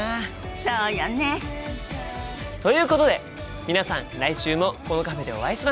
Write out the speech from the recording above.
そうよね。ということで皆さん来週もこのカフェでお会いしましょう！